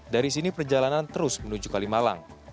dari sini perjalanan terus menuju kalimalang